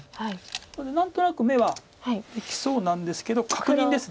なので何となく眼はできそうなんですけど確認です。